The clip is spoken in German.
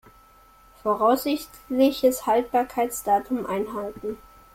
Voraussichtliches Haltbarkeitsdatum einhalten.